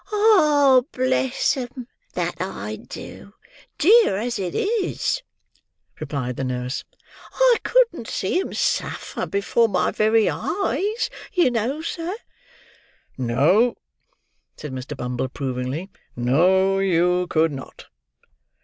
"Ah, bless 'em, that I do, dear as it is," replied the nurse. "I couldn't see 'em suffer before my very eyes, you know sir." "No"; said Mr. Bumble approvingly; "no, you could not.